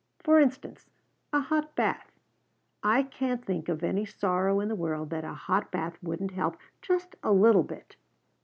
For instance, a hot bath. I can't think of any sorrow in the world that a hot bath wouldn't help, just a little bit."